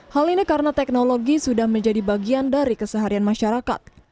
hal ini karena teknologi sudah menjadi bagian dari keseharian masyarakat